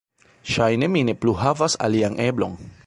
"Ŝajne mi ne plu havas alian eblon."